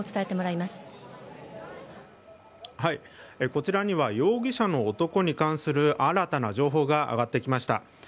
こちらには容疑者の男に関する新たな情報が上がってきました。